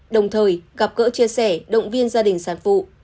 đồng thời gặp gỡ chia sẻ động viên gia đình sản phụ